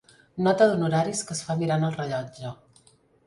Nota d'honoraris que es fa mirant al rellotge.